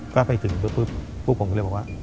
ก็ไปถึงปุ๊บพวกผมก็เลยบอกว่า